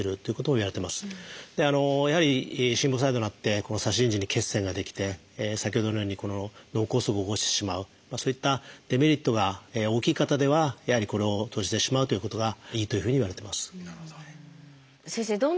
やはり心房細動になって左心耳に血栓が出来て先ほどのように脳梗塞を起こしてしまうそういったデメリットが大きい方ではやはりこれを閉じてしまうということがいいというふうにいわれてます。